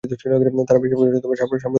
তারা বেশিরভাগই সাম্প্রতিক ধর্মান্তরিত।